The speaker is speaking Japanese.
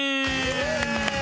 イエーイ！